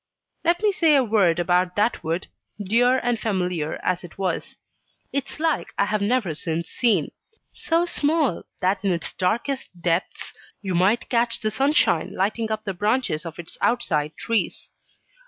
Let me say a word about that wood dear and familiar as it was. Its like I have never since seen. It was small so small that in its darkest depths you might catch the sunshine lighting up the branches of its outside trees.